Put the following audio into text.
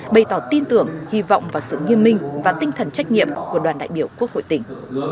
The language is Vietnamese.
bày tỏ tin tưởng hy vọng và sự nghiêm minh và tinh thần trách nhiệm của đoàn đại biểu quốc hội tỉnh